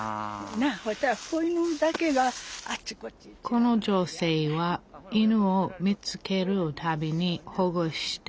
この女性は犬を見つけるたびに保護してきました。